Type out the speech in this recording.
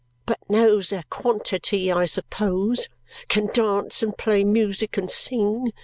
"But knows a quantity, I suppose? Can dance, and play music, and sing?